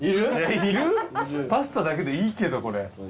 いる⁉パスタだけでいいけどこれ。